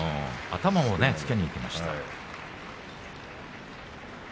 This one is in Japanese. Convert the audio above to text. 頭もつけにいきました。